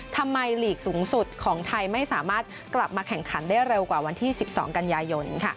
ลีกสูงสุดของไทยไม่สามารถกลับมาแข่งขันได้เร็วกว่าวันที่๑๒กันยายน